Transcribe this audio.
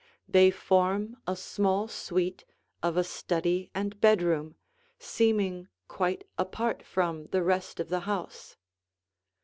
They form a small suite of a study and bedroom, seeming quite apart from the rest of the house.